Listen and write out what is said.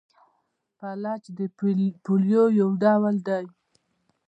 فلج د پولیو یو ډول دی.